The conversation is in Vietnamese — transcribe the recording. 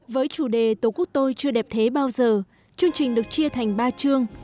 với chủ đề tổ quốc tôi chưa đẹp thế bao giờ chương trình được chia thành ba chương